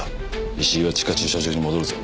石井は地下駐車場に戻るぞ。